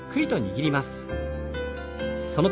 はい。